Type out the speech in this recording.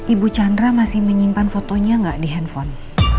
ibu chandra masih menyimpan fotonya nggak di handphone